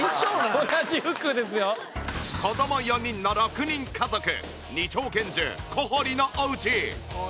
子ども４人の６人家族２丁拳銃小堀のお家。